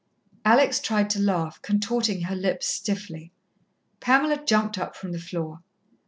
Alex tried to laugh, contorting her lips stiffly. Pamela jumped up from the floor.